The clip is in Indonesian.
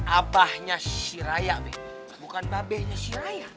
abahnya si raya bi bukan babenya si raya